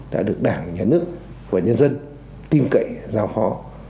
đã được đảng nhà nước và nhân dân tin cậy giao phó